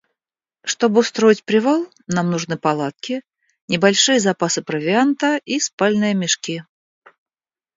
Чтобы устроить привал, нам нужны палатки, небольшие запасы провианта и спальные мешки.